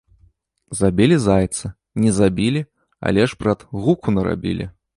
Забілі зайца, не забілі, але ж, брат, гуку нарабілі